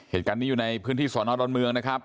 เหตุการณ์ที่อยู่ในพื้นที่สอนอลดอนเมือง